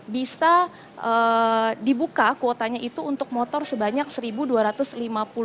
bisa dibuka kuotanya itu untuk motor sebanyak rp satu dua ratus lima puluh